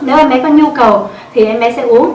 nếu em có nhu cầu thì em bé sẽ uống